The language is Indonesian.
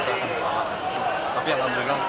tapi yang terjadi kan sudah konfusif